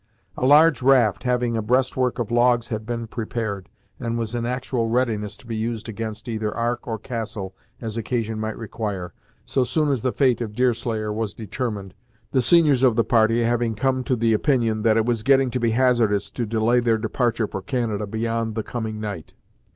A large raft having a breast work of logs had been prepared, and was in actual readiness to be used against either Ark or castle as occasion might require, so soon as the fate of Deerslayer was determined, the seniors of the party having come to the opinion that it was getting to be hazardous to delay their departure for Canada beyond the coming night.